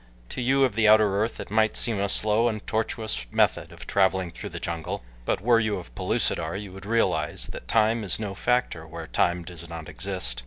To you of the outer earth it might seem a slow and tortuous method of traveling through the jungle, but were you of Pellucidar you would realize that time is no factor where time does not exist.